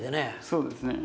そうですね。